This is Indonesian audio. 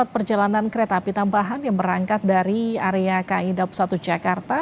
tiga ratus empat puluh empat perjalanan kereta api tambahan yang berangkat dari area ki daob satu jakarta